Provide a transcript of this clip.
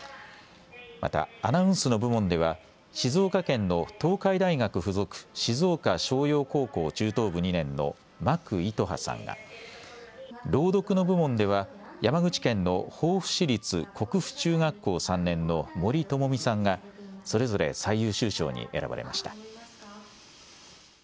またアナウンスの部門では静岡県の東海大学付属静岡翔洋高校中等部２年の間久綸巴さんが、朗読の部門では山口県の防府市立国府中学校３年の森ともみさんがそれぞれ最優秀賞に選ばれました。